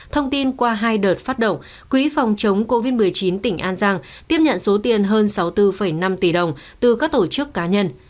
thông tin qua hai đợt phát động quỹ phòng chống covid một mươi chín tỉnh an giang tiếp nhận số tiền hơn sáu mươi bốn năm tỷ đồng từ các tổ chức cá nhân